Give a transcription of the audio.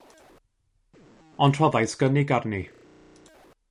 Ond rhoddais gynnig arni.